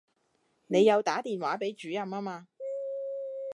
你有打電話畀主任吖嗎